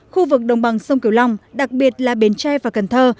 khu vực đồng bằng sông kiều long đặc biệt là bến tre và cần thơ